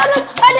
aduh aduh aduh